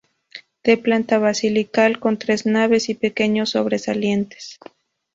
De planta basilical con tres naves y pequeños sobresalientes.